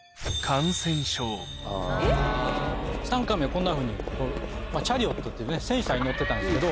こんなふうにチャリオットっていう戦車に乗ってたんですけど。